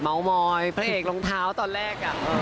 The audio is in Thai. มอยพระเอกรองเท้าตอนแรก